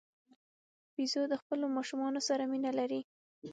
بیزو د خپلو ماشومانو سره مینه لري.